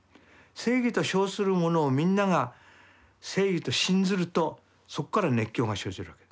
正義と称するものをみんなが正義と信ずるとそこから熱狂が生じるわけ。